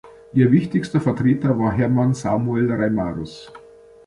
Ihr wichtigster Vertreter war Hermann Samuel Reimarus.